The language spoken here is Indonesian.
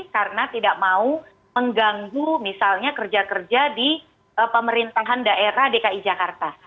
karena tidak mau mengganggu misalnya kerja kerja di pemerintahan daerah dki jakarta